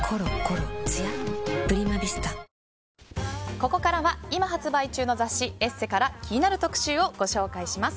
ここからは今発売中の雑誌「ＥＳＳＥ」から気になる特集をご紹介します。